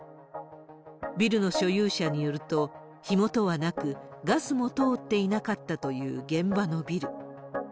ビルの所有者によると、火元はなく、ガスも通っていなかったという現場のビル。